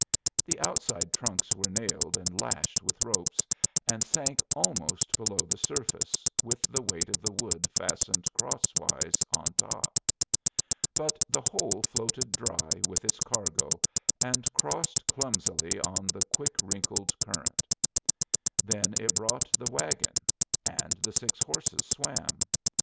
The outside trunks were nailed and lashed with ropes, and sank almost below the surface with the weight of the wood fastened crosswise on top. But the whole floated dry with its cargo, and crossed clumsily on the quick wrinkled current. Then it brought the wagon; and the six horses swam.